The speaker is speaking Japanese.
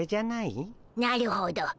なるほど。